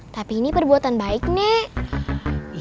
tapi ini perbuatan baik nek